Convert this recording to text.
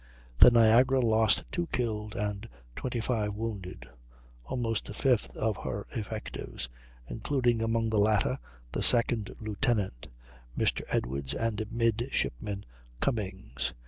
The Niagara lost 2 killed and 25 wounded (almost a fifth of her effectives), including among the latter the second lieutenant, Mr. Edwards, and Midshipman Cummings.